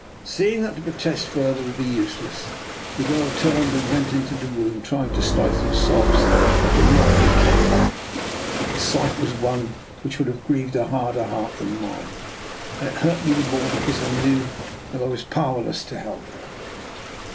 Seeing that to protest further would be useless, the girl turned and went into the room, trying to stifle the sobs that would not be kept back. The sight was one which would have grieved a harder heart than mine, and it hurt me the more because I knew that I was powerless to help her.